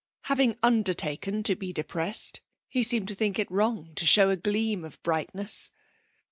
Having undertaken to be depressed, he seemed to think it wrong to show a gleam of brightness.